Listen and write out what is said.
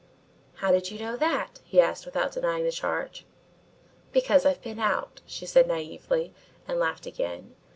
"How did you know that?" he asked without denying the charge. "Because I've been out," she said naively and laughed again.